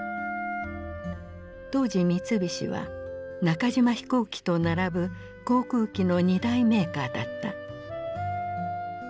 当時三菱は中島飛行機と並ぶ航空機の２大メーカーだった。